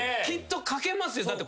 きっと書けますよ。